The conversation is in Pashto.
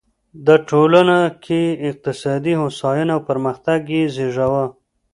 د ټولنه کې اقتصادي هوساینه او پرمختګ یې زېږاوه.